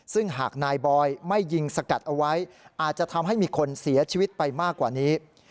ซึ่งหากนายบอยไม่ยิงสกัดเอาไว้อาจจะทำให้มีคนเสียชีวิตไปมากกว่านี้